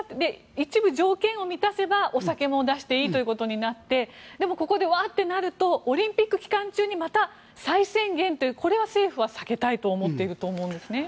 一部条件を満たせばお酒も出していいということになってでもここでワーッとやるとオリンピック期間中にまた再宣言というこれは政府は避けたいと思っていると思うんですね。